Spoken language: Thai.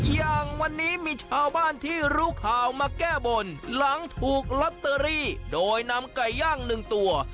อย่างวันนี้มีชาวบ้านที่รู้ข่าวมาแก้บนหลังถูกลอตเตอรี่โดยนำไก่ย่างหนึ่งตัว